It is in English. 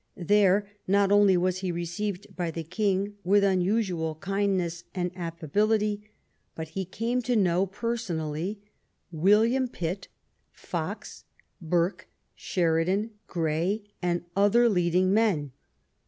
There, not only was he received by the King " with unusual kindness and affability," but he came to know, personally, William Pitt, Fox, Burke, Sheridan, Grey, and other leading men.